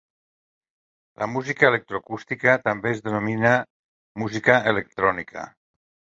La Música electroacústica també es denomina música electrònica.